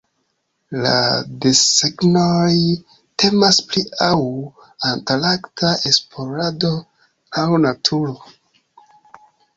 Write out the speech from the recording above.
La desegnoj temas pri aŭ antarkta esplorado aŭ naturo.